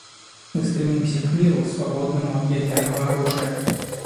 Мы стремимся к миру, свободному от ядерного оружия.